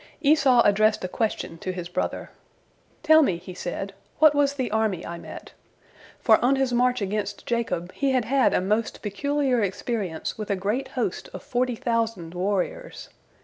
Esau addressed a question to his brother. "Tell me," he said, "what was the army I met?" for on his march against Jacob he had had a most peculiar experience with a great host of forty thousand warriors.